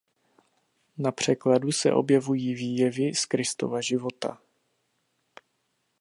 Na překladu se objevují výjevy z Kristova života.